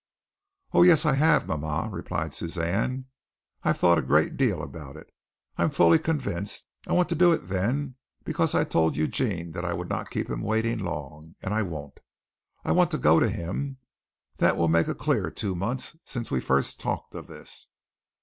"Oh, yes, I have, mama!" replied Suzanne. "I've thought a great deal about it. I'm fully convinced. I want to do it then because I told Eugene that I would not keep him waiting long; and I won't. I want to go to him. That will make a clear two months since we first talked of this."